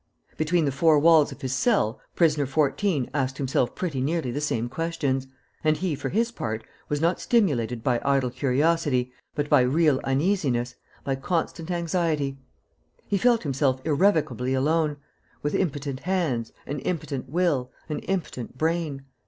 Between the four walls of his cell, prisoner 14 asked himself pretty nearly the same questions; and he for his part, was not stimulated by idle curiosity, but by real uneasiness, by constant anxiety. He felt himself irrevocably alone, with impotent hands, an impotent will, an impotent brain.